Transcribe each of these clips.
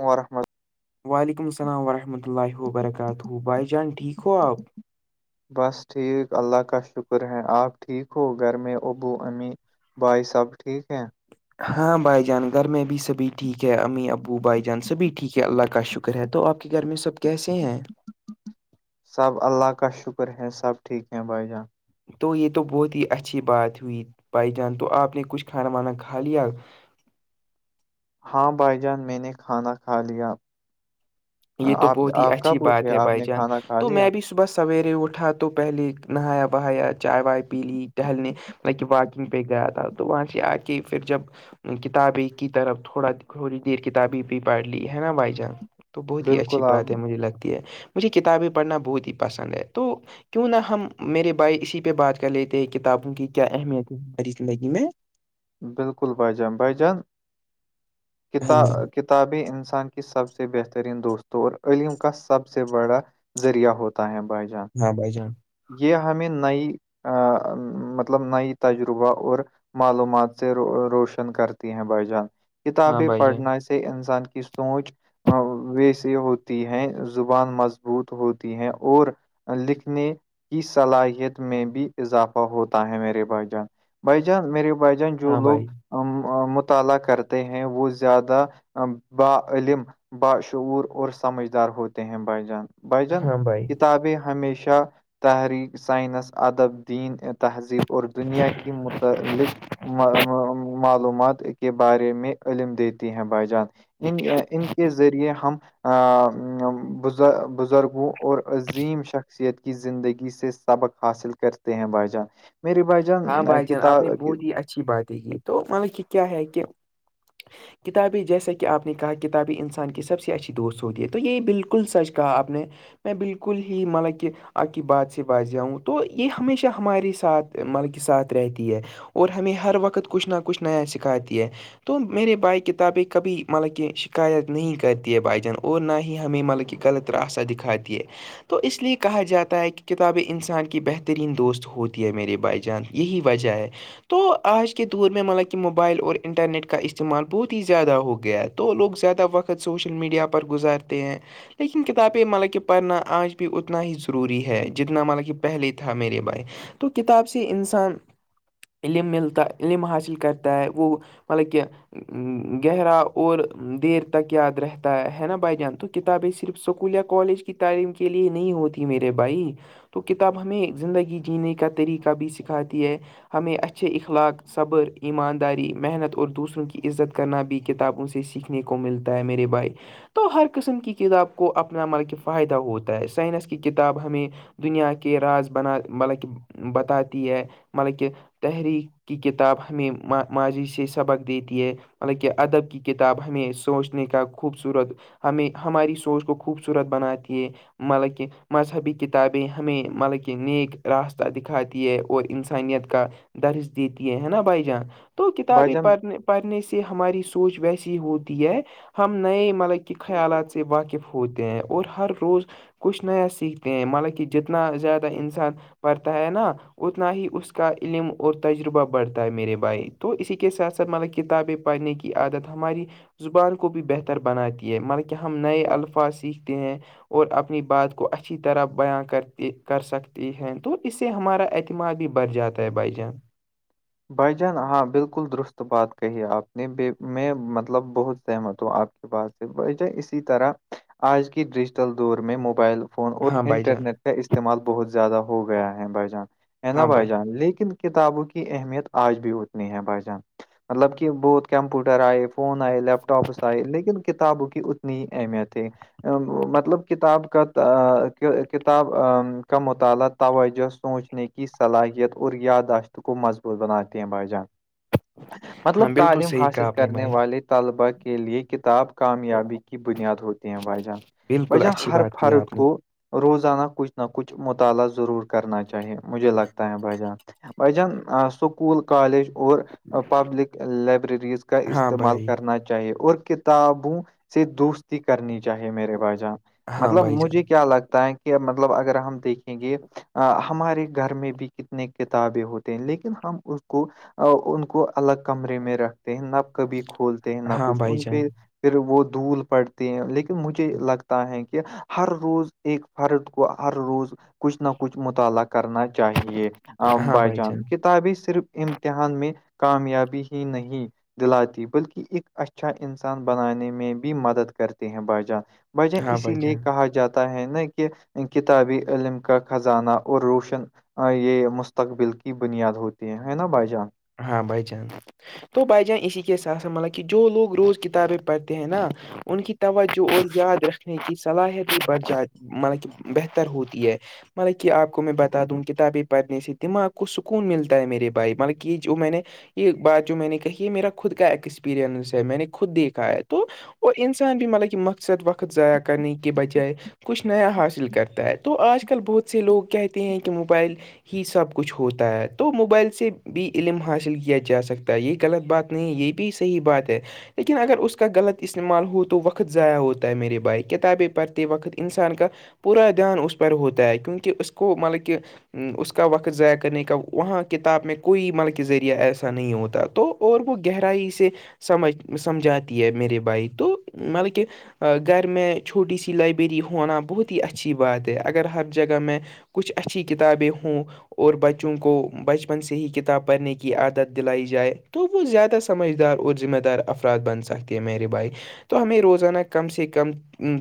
م وورحمت وعلیکم السلام ورحمۃ اللہ و ببرکاتہ بھائی جان ٹھیک ہو آپ بس ٹھیک اللہ کا شکر ہے آپ ٹھیک ہو گھر میں ابو امی بھائی سب ٹھیک ہیں ہاں بھائی جان گھر میں بھی سبھی ٹھیک ہے امی ابو بھائی جان سبھی ٹھیک ہے اللہ کا شکر کوکر ہے تو آپ کے گھر میں سب کیسے ہیں سب اللہ کا شکر ہے سب ٹھیک ہے بھائی جان تو یہ تو بہت ہی اچھی بات ہوئی بھائی جان تو آپ نے کچھ کھانا وانا کھا لیا ہاں بھائی جان میں نے کھانا کھا لیا یہ تو آپ بہت ہی آپ اچھی کب بات اٹھے ہے آپ بھائی نے جان کھانا کھا تو لیا میں بھی صبح سویرے اٹھا تو پہلے نہایا بہایا چائے وائے پی لی ٹہلنے لائک واکنگ پہ گیا تھا تو وہاں سے آ کے پھر جب کتابی کی طرف تھوڑا تھوڑی دیر کتابی بھی پڑھ لی ہے نا بھائی جان تو بہت ہی اچھی بالکل آپ بات ہے مجھے لگتی ہے مجھے کتابیں پڑھنا بہت ہی پسند ہے تو کیوں نہ ہم میرے بھائی اسی پہ بات کر لیتے ہیں کتابوں کی کیا اہمیت ہے ہماری زندگی میں بالکل بھائی جان بھائی جان ہاں کتا بھائی کتابیں انسان کی سب سے بہترین دوستوں اور علم کا سب سے بڑا ذریعہ ہوتا ہے بھائی جان ہاں بائی جان یہ ہمیں نئی مطلب نئی تجربہ اور معلومات سے روشن کرتی ہیں بھائی جان ہاں کتابیں بھائی جان پڑھنا انسان کی سوونچ ویسی ہوتی ہے زبان مضبوط ہوتی ہے اور لکھنے کی صلاحیت میں بھی اضافہ ہوتا ہے میرے بھائی جان بھائی جان میرے بھائی جان جو ہاں لوگ بھائی مطالعہ کرتے ہیں وہ زیادہ علم باشعور اور سمجھدار ہوتے ہیں بھائی جان بھائی جان ہاں بھائی کتابیں ہمیشہ تحریک سائنس ادب دین تہذیب اور دنیا کے متعلق معلومات کے بارے میں علم دیتی ہیں بھائی جان ان ان کے ذریعے ہم بزرگوں اور عظیم شخصیت کی زندگی سے سبق حاصل کرتے ہیں بھائی جان میری بھائی ہاں جان بھائی کتا آپ نے بہت اچھی بات ہے تو مل کہ کیا ہے کہ کتابیں جیسا کہ آپ نے کہا کتابی انسان کی سب سے اچھی دوست ہوگی ہے تو یہی بالکل سچ کہا آپ نے میں بالکل ہی مطلب کہ آ کی بات سے باز جاؤں تو یہ ہمیشہ ہمارے ساتھ مل کے ساتھ رہتی ہے اور ہمیں ہر وقت کچھ نہ کچھ نیا سکھاتی ہے تو میرے بھائی کتابیں کبھی مطلب کہ شکایت نہیں کرتی ہے بھائی جان اور نہ ہی ہمیں مطلب کہ غلط راستہ دکھاتی ہے تو اس لیے کہا جاتا ہے کہ کتابیں انسان کی بہترین دوست ہوتی ہے میرے بھائی جان یہی وجہ ہے تو آج کے دور میں مطلب کہ موبائل اور انٹرنیٹ کا استعمال بہت ہی زیادہ ہو گیا ہے تو لوگ زیادہ وقت سوشل میڈیا پر گزارتے ہیں لیکن کتابیں مالا کہ پڑھنا آج بھی اتنا ہی ضروری ہے جتنا مطالا کہ پہلے تھا میرے بھائی تو کتاب سے انسان علم ملتا علم حاصل کرتا ہے وہ مطلب کہ گہرا اور دیر تک یاد رہتا ہے نا بھائی جان تو کتابیں صرف اسکول یا کالج کی تعلیم کے لیے نہیں ہوتی میرے بھائی تو کتاب ہمیں زندگی جینے کا طریقہ بھی سکھاتی ہے ہمیں اچھے اخلاق صبر ایمانداری محنت اور دوسروں کی عزت کرنا بھی کتابوں سے سیکھھی دیکنے کو ملتا ہے میرے بھائی تو ہر قسم کی کتاب کو اپنا ملک فائدہ ہوتا ہے سائنس کی کتاب ہمیں دنیا کے راز بنا مطلب کہ بتاتی ہے مطلب کہ تحریک کی کتاب ہمیں ماضی سے سبق دیتی ہے مطلب کہ ادب کی کتاب ہمیں سوچنے کا خوبصورت ہمیں ہماری سوچ کو خوبصورت بناتی ہے مطلب کہ مذہبی کتابیں ہمیں مطلب کہ نیک راست دکھاتی ہے اور انسانیت کا درج دیتی ہے ہے نا بھائی جاں تو بھائی کتابیں جان پڑھنے پڑھنے سے ہماری سوچ ویسی ہوتی ہے ہم نئے ملب کے خیالات سے واقف ہوتے ہیں اور ہر روز کچھ نیا سیکھتے ہیں مطلب کہ جتنا زیادہ انسان پڑھتا ہے نا اتنا ہی اس کا علم اور تجربہ بڑھتا ہے میرے بھائی تو اسی کے ساتھ ساتھ مطلب کتابیں پڑھنے کی عادت ہماری زبان کو بھی بہتر بناتی ہے مطلب کہ ہم نئے الفاظ سیکھتے ہیں اور اپنی بات کو اچھی طرح بیاں کرتے کر سکتے ہیں تو اس سے ہمارا اعتمااد بھی بڑھ جاتا ہے بھائی جان بھائی جان ہاں بالکل درست بات کہی ہے آپ نے ب میں مطلب بہت سہمت ہوں آپ کی بات سے اسی طرح آج کی ڈیجیٹل دور میں موبائل فون اور ہاں بھائی جان انٹرنیٹ کا استعمال بہت زیادہ ہو گیا ہے بھائی جان ہے نا بھائی جان لیکن کتابوں کی اہمیت آج بھی ہوتنی ہے بھائی جان مطلب کہ بہت کمپیوٹر آئے فون آئے لیپ ٹاپس آئے لیکن کتابوں کی اتنی ہی اہمیت ہے مطلب کتاب کا کتاب کا مطالعہ توجہ سوچنے کی کی صلاحیت اور یاداشت کو مضبوط بناتے ہیں بھائی جان ہاں مطلب بالکل تعلیم صحیح حاصل کہا آپ نے کرنے بھائی والے طلباء کے لیے کتاب کامیابی کی بنیاد ہوتی ہیں بھائی جہان بھائی بالکل جان اچھی ہر بات کی فرد آپ نے کو روزانہ کچھ نہ کچھ مطالعہ ضرور کرنا چاہیے مجھے لگتا ہے بھائی جان بج جن سکول کالج اور پبلک لائبررز کا ہاں استعمال بھائی کرنا چاہیے اور کتابوں سے دوستی کرنی چاہیے میرے باجان ہاں مطلب بھائی مجھے جان کیا لگتا ہے کہ مطلب اگر ہم دیکھیں گے ہمارے گھر میں بھی کتنے تعابے ہوتے ہیں لیکن ہم اس کو ان کو الگ کمرے میں رکھتے ہیں نہ کبھی کھولتے ہیں نہ ہاں کچھ بھائی ان پہ جان پھر وہ دھول پڑتے ہیں لیکن مجھے لگتا ہے کہ ہر روز ایک فرد کو ہر روز کچھ نہ کچھ مطالعہ کرنا چاہیے ہاں بائی بھائی جان کتابیں صرف امتحان میں کامیابی ہی نہیں دلاتی بلکہ ایک اچھا انسان بنانے میں بھی مدد کرتے ہیں بھائی جان وجہ ہاں اسی بھائی لیے جان کہا جاتا ہے نا کہ کتابی علم کا خزانہ اور روشن یہ مست مستقبل کی بنیاد ہوتی ہیں ہے نا بھائی جان ہاں بھائی جان تو بھائی جان اسی کےساتھ س ملب کہ جو لوگ روز کتابیں پڑھتے ہیں نا ان کی توجہ اور یاد رکھنے کی صلاحیت بھی بڑھ جاتی ہے مطلب کہ بہتر ہوتی ہے مطلب کہ آپ کو میں بتا دوں کتابیں پڑھنے سے دماغ کو سکون ملتا ہے میرے بھائی مطلب کہ جو میں نے یہ بات جو میں نے کہی یہ میرا خود کا ایکسپیرئنس ہے میں نے خود دیکھا ہے تو اور انسان بھی مطلب کہ مقصد وقت ضائع کرنے کے بچائے کچھ نیا حاصل کرتا ہے تو آج کل بہت سے لوگ کہتے ہیں کہ موبائل ہی سب کچھ ہوتا ہے تو موبائل سے بھی علم حاصل کیا جا سکتا ہے یہ غلط بات نہیں ہے یہ بھی صحیح بات ہے لیکن اگر اس کا غلط استعمال ہو تو وقت ضائع ہوتا ہے میرے بھائی کتابیں پڑھتے وقت انسان کا پورا دھیان اس پار ہوتا ہے کیونکہ اسس کو مطلب کہ اس کا وقت ضائع کرنے کا وہاں کتاب میں کوئی مل کے ذریعہ ایسا نہیں ہوتا تو اور وہ گہرائی سے سمجھ سمجھاتی ہے میرے بھائی تو مطلب کہ گھر میں چھوٹی سی لائبریری ہونا بہت ہی اچھی بات ہے اگر ہر جگہ میں کچھ اچھی کتابیں ہوں اور بچوں کو بچپن سے ہی کتاب پڑنے کی عادت دلائی جائے تو وہ زیادہ سمجھدار اور ذمہ دار افر فرت بن سکتی ہے میری بھائی تو ہمیں روزانہ کم سے کم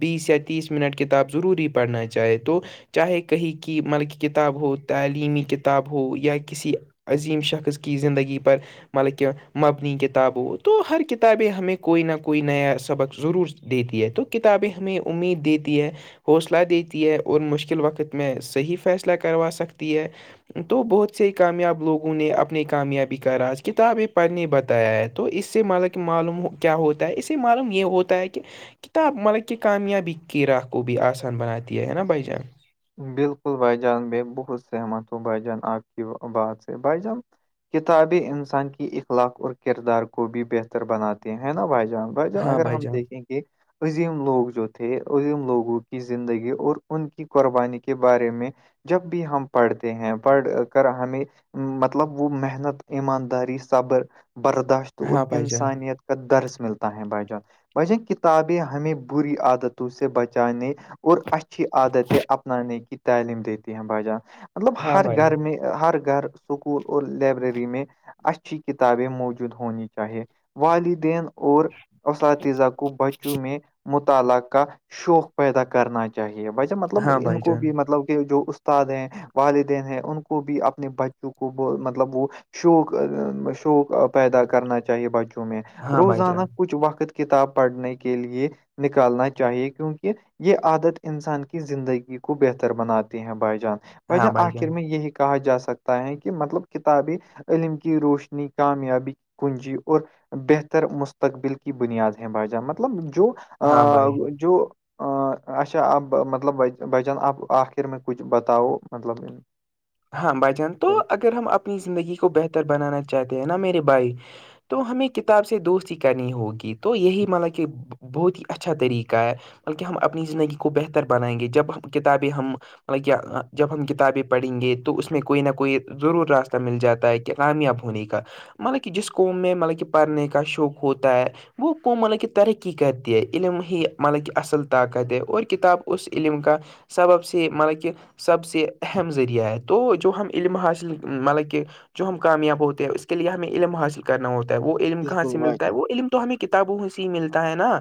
بیس یا تیس منٹ کتاب ضروری پڑھنا چاہے تو چاہے کہیں کی مر کی کتاب ہو تعلیمی کتاب ہو یا کسی عظیم شخص کی زندگی پر مطلب کہ مبنی کتابوں تو ہر کتابیں ہمیں کوئی نہ کوئی نیا سبق ضرور دیتی ہے تو کتابیں ہمیں امید دیتی ہے حوصلہ دیتی ہے اور مشکل وقت میں صحیح فیصلہ کروا سکتی ہے تو بہت سے ہی کامیاب لوگ انہیں اپنی کامیابی کا راج کتابیں پڑھنے بتایا ہے تو اس سے مطا کہ معلوم ہو کیا ہوتا ہے اسے معلوم یہ ہوتا ہے کہ کتاب مطلب کہ کامیابی کی راہ کو بھی آسان بناتی ہے نا بھائی جان بالکل بائی جان ب بہت سہمت ہ ہو بائی جان آپ کی بات سے بائی جان کتابیں انسان کی اخلاق اور کردار کو بھی بہتر بناتے نا بھائی جان بھائی ہاں اگر ہم جان دیکھیں گے عظیم لوگ جو تھے عظیم لوگوں کی زندگی اور ان کی قربانی کے بارے میں جب بھی ہم پڑھتے ہیں پڑھ کر ہمیں مطلب وہ محنت ایمانداری صبر برداشت اور ہاں بھائی جان انسانیت کا درس ملتا ہے بھائی جان بھائی جان کتابیں ہمیں بری عادتوں سے بچانے اور اچھی عادتیں اپنانے کی تعلیم دیتی ہیں بھائی جان مطلب ہاں ہر بھائی گھر میں ہر گھر اسکول اور لائبریری میں اچھی کتابیں موجود ہونی چاہیے والدین اور اساتذہ کو بچوں میں مطالعہ کا شوق پیدا کرنا چاہیے ویسے مطلب ہاں ان بھائی کو جان بھی مطلب کہ جو استاد ہیں والدین ہیں ان کو بھی اپنے بچوں کو مطلب وہ شوق شوق پیدا کرنا چاہیے بچوں میں ہاں بھائی روزانہ جان کچھ وقت کتاب پڑھنے کے لیے نکالنا چاہیے کیونکہ یہ عادت انسان کے زندگی کو بہتر بناتے ہیں بائی جان بائی ہاں جان بھائی آخر میں یہی کہا جا سکتا ہے کہ مطلب کتابیں علم کی روشنی کامیابی کنجی اور بہتر مستقبل کی بنیاد ہے بھا جان مطلب جو ہاں بھائی جو اچھا اب مطلب بھائی جان آب آخر میں کچھ بتاؤ مطلب ہاں بھجن تو اگر ہم اپنی زندگی کو بہتر بنانا چاہتے ہیں نا میرے بھائی تو ہمیں کتاب سے دوستی کرنی ہوگی تو یہی مطلب کہ بہت ہی اچھا طریقہ ہے بلکہ ہم اپنی زندگی کو بہتر بنائیں گے جب ہم کتابیں ہم مطلب کیا جب ہم کتابیں پڑھیں گے تو اس میں کوئی نہ کوئی ضرور راستہ مل جاتا ہے کہ کامیاب ہونے کا مطلب کہ جس کو میں مطلب کہ پڑھنے کا شوق ہوتا ہے وہ کو مطلب کہ ترقی کرتی ہے علم ہی مطلب کہ اصل طاقت ہے اور کتاب اس علم کا سبب سے مطلب کہ سب سے اہم ذریعہت تو جو ہم علم حاصل مطلب کہ جو ہم کامیاب ہوتے ہیں اس کے لیے ہمیں علم حاصل کرنا ہوتا ہے وہ علم کہاں بالکل سے بھائی ملتا ہے جان وہ علم تو ہمیں کتابوں سے ہی ملتا ہے نا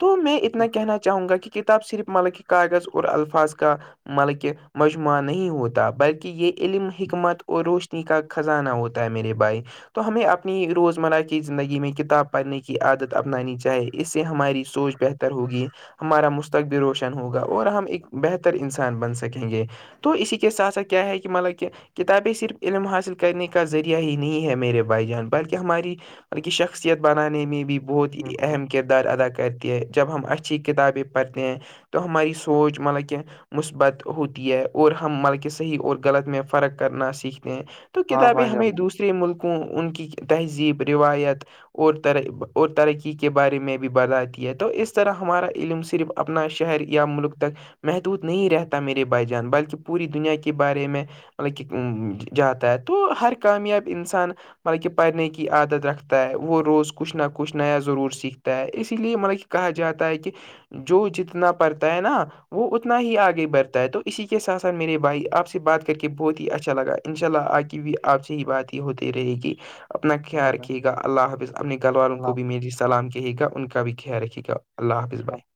تو میں اتنا کہنا چاہوں گا کہ کنا کتاب صرف مطلب کہ کاغذ اور الفاظ کا مطلب کہ مجموعہ نہیں ہوتا بلکہ کہ یہ علم حکمت اور روشنی کا خزانہ ہوتا ہے میرے بھائی تو ہمیں اپنی روزمرہ کی زندگی میں کتاب پڑھنے کی عادت اپنانی چاہیے اس سے ہماری سوچ بہتر ہوگی ہمارا مستقبل روشن ہوگا اور ہم ایک بہتر انسان بن سکیں گے تو اسی کے س سا کیا ہے کہ مطلب کہ کتابیں صرف علم حاصل کرنے کا ذریعہ ہی نہیں ہے میرے بھائی جان بلکہ ہماری ان کی شخصیت بنانے میں بھی بہت ہی بالکل اہم کردار ادا کرتی ہے جب ہم اچھی کتابیں پڑھتے ہیں تو ہماری سوچ مطلب کہ مثبت ہوتی ہے اور ہم مطلب کہ ہی اور غلط میں فرق کرنا سیکھتے ہیں تو ہاں کتابیں بھائی ہمیں جان دوسری تسر ملکوں ان کی تہذیب روایت اور اور ترقی کے بارے میں بھی بتاتی ہے تو اس طرح ہمارا علم صرف اپنا شہر یا ملک تک محدود نہیں رہتا میرے بھائی جان بلکہ پوری دنیا کی کے بارے میں مطلب کہ جاتا ہے تو ہر کامیاب انسان مطلب کہ پڑھنے کی عادت رکھتا ہے وہ روز کچھ نہ کچھ نیا ضرور سیکھتا ہے اسی لیے مطلب کہا جاتا ہے کہ جو جتنا پڑتا ہے نا وہ اتنا ہی آگے بڑھتا ہے تو اسی کے ساتھ ساتھ میرے بھائی آپ سے بات کر کے بہت ہی اچھا لگا ان شاء اللہ آ کے بھی آپ سے ہی بات ہی ہوتی رہے گی اپنا خیال اللہ بھائی رکھیے گا اللہ حافظ اپنے گل والاروں کو بھی اللہ میری سلام کہے گا ان کا بھی خیال رکے گا اللہ حافظ بھائی